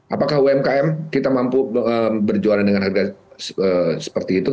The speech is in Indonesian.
apakah umkm kita mampu berjualan dengan harga seperti itu